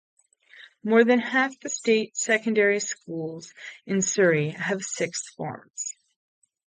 More than half the state secondary schools in Surrey have sixth forms.